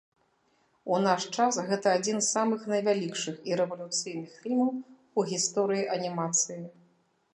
У наш час гэта адзін з самых найвялікшых і рэвалюцыйных фільмаў у гісторыі анімацыі.